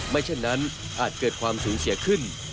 เช่นนั้นอาจเกิดความสูญเสียขึ้น